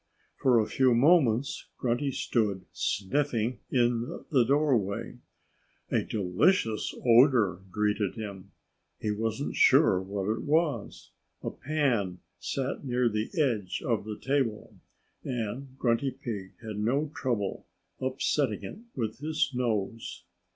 For a few moments Grunty stood sniffing in the doorway. A delicious odor greeted him. He wasn't sure what it was. A pan sat near the edge of the table. And Grunty Pig had no trouble upsetting it with his nose.